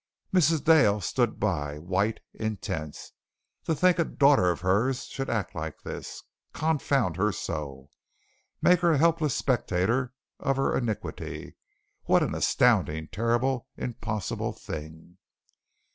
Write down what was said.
Mrs. Dale stood by, white, intense. To think a daughter of hers should act like this, confound her so, make her a helpless spectator of her iniquity. What an astounding, terrible, impossible thing!